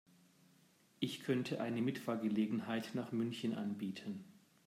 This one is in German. Ich könnte eine Mitfahrgelegenheit nach München anbieten